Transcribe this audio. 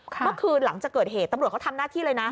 เมื่อคืนหลังจากเกิดเหตุตำรวจเขาทำหน้าที่เลยนะ